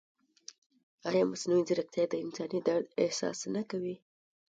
ایا مصنوعي ځیرکتیا د انساني درد احساس نه کوي؟